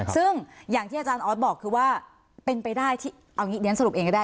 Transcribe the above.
ซึ่งที่ที่อาจารย์ออสบอกเอาอย่างนี้เน้นสรุปเองก็ได้